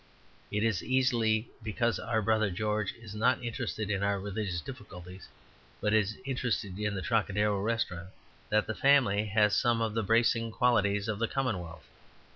It is exactly because our brother George is not interested in our religious difficulties, but is interested in the Trocadero Restaurant, that the family has some of the bracing qualities of the commonwealth.